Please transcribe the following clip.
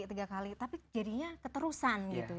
tiga kali tapi jadinya keterusan gitu